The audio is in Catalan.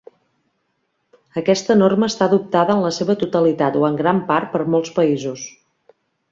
Aquesta norma està adoptada en la seva totalitat o en gran part per molts països.